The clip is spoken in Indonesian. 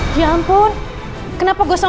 kalau oh tuhan